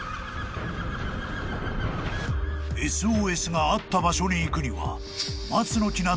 ［ＳＯＳがあった場所に行くには］